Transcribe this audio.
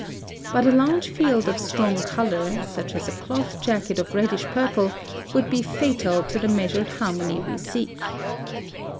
But a large field of strong color, such as a cloth jacket of reddish purple, would be fatal to the measured harmony we seek.